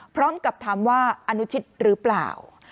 พร้อมกับถามว่าอนุชิตหรือเปล่า